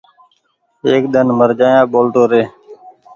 ايڪ ۮن مر جآيآ ٻولتو ري ۔